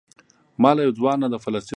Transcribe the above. ما له یو ځوان نه د فلسطین ماډلونه اخیستي وو.